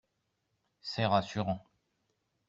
C’est rassurant